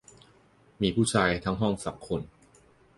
มีผู้ชายทั้งห้องสองคน